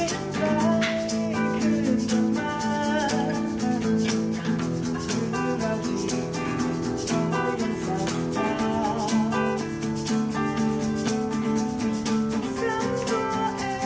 ซ้ำตัวเองจะไปยังไง